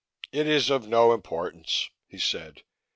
"It is of no importance," he said.